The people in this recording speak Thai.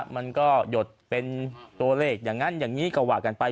มันก็หยดเป็นตัวเลขอย่างนั้นอย่างนี้ก็ว่ากันไป